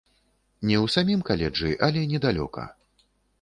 Не ў самім каледжы, але недалёка.